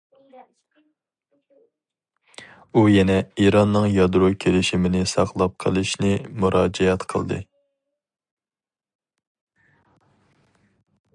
ئۇ يەنە ئىراننىڭ يادرو كېلىشىمىنى ساقلاپ قىلىشنى مۇراجىئەت قىلدى.